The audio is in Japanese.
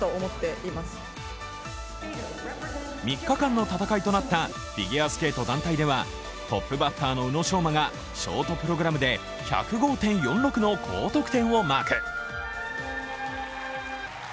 ３日間の戦いとなったフィギュアスケート団体ではトップバッターの宇野昌磨がショートプログラムで１０５．４６の高得点をマーク。